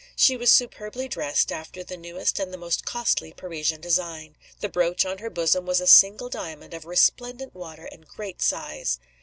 She was superbly dressed after the newest and the most costly Parisian design. The brooch on her bosom was a single diamond of resplendent water and great size.